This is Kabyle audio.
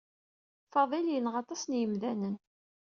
Faḍil yenɣa aṭas n yemdanen.